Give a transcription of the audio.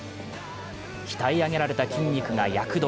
鍛え上げられた筋肉が躍動。